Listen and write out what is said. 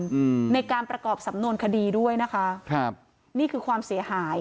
อืมในการประกอบสำนวนคดีด้วยนะคะครับนี่คือความเสียหาย